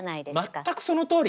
全くそのとおり！